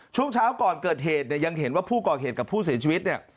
ช่วงเช้าก่อนเกิดเหตุเนี่ยยังเห็นว่าผู้ก่อเหตุกับผู้เสียชีวิตเนี่ย